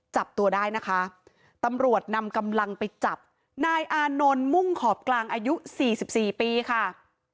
จับตัวได้นะคะตำรวจนำกำลังไปจับนายอานนท์มุ่งขอบกลางอายุสี่สิบสี่ปีค่ะ